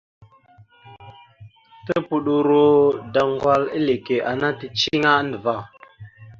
Tupoɗoro daŋgwal eleke ana ticiŋa andəva.